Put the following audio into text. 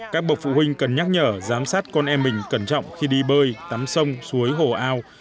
các bậc phụ huynh cần nhắc nhở giám sát con em mình cẩn trọng khi đi bơi tắm sông suối hồ ao